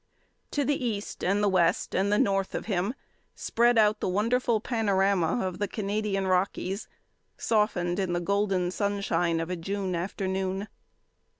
To the east and the west and the north of him spread out the wonderful panorama of the Canadian Rockies, softened in the golden sunshine of a June afternoon.